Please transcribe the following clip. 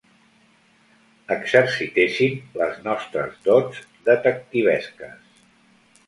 Exercitéssim les nostres dots detectivesques.